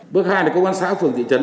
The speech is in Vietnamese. bước hai là công an xã phường thị trấn